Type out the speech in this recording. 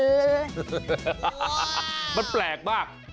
ว้าวมันแปลกมาก